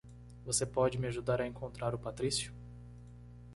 Você pode me ajudar a encontrar o Patrício?